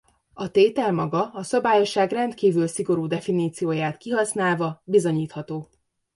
A tétel maga a szabályosság rendkívül szigorú definícióját kihasználva bizonyítható.